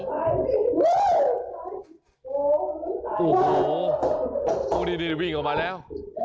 โอ้โหนี่วิ่งออกมาแล้ว